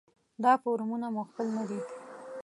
دا فورمونه مو خپل نه دي.